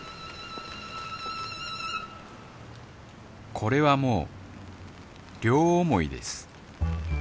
これはもう両想いです